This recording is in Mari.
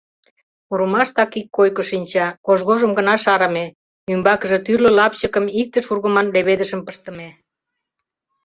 Пурымаштак ик койко шинча, кожгожым гына шарыме, ӱмбакыже тӱрлӧ лапчыкым иктыш ургыман леведышым пыштыме.